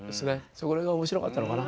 そこら辺が面白かったのかな。